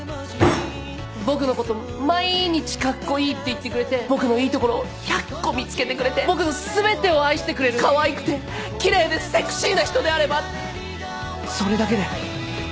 僕の事毎日かっこいいって言ってくれて僕のいいところを１００個見つけてくれて僕の全てを愛してくれるかわいくてきれいでセクシーな人であればそれだけで。